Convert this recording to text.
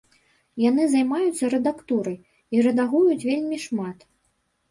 Яны займаюцца рэдактурай, і рэдагуюць вельмі шмат.